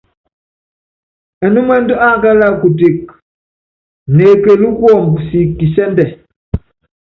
Ɛnúmɛndú ákála kuteke, neekelú kuɔmbɔ siki kisɛ́ndɛ.